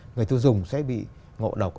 người tiêu dùng sẽ bị ngộ độc